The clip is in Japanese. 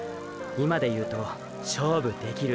今でいうと“勝負できる”